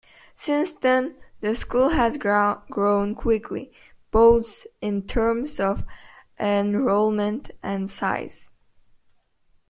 Since then, the school has grown quickly, both in terms of enrollment and size.